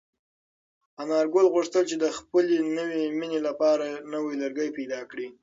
انارګل غوښتل چې د خپلې نوې مېنې لپاره یو نوی لرګی پیدا کړي.